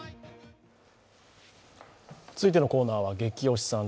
続いてのコーナーは「ゲキ推しさん」。